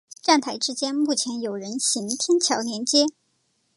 站台之间目前有人行天桥连接。